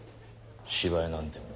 芝居なんてもの。